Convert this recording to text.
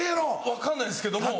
分かんないですけども。